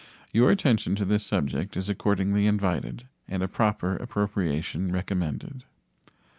Your attention to this subject is accordingly invited and a proper appropriation recommended.